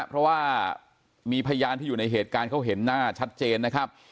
เพราะว่ามีพยานที่อยู่ในเหตุการณ์เขาเห็นหน้าชัดเจนนะครับ